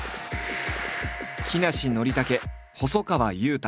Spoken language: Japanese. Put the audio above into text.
木梨憲武細川雄太